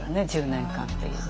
１０年間っていう。